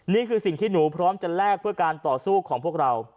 นี่คือสิ่งที่หนูพร้อมจะแลกเพื่อการต่อสู้ของพวกเรา